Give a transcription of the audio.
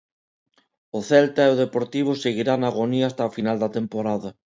O Celta e o Deportivo seguirán na agonía ata o final de temporada.